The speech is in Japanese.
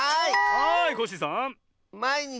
はいコッシーさん。